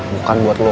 bukan buat lo